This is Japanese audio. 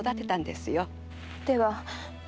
では